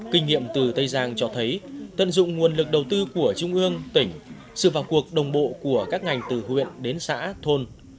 kinh nghiệm từ tây giang cho thấy tận dụng nguồn lực đầu tư của trung ương tỉnh sự vào cuộc đồng bộ của các ngành từ huyện đến xã thôn